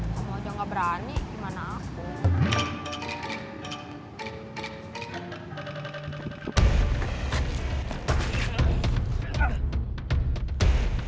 kamu aja gak berani gimana aku